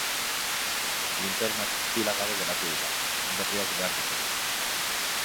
Linternak pila gabe geratu dira, berriak behar ditugu.